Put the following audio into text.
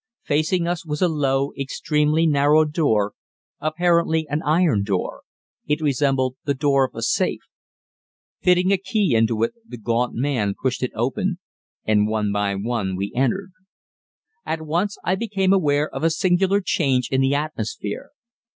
Facing us was a low, extremely narrow door, apparently an iron door it resembled the door of a safe. Fitting a key into it, the gaunt man pushed it open, and one by one we entered. At once I became aware of a singular change in the atmosphere.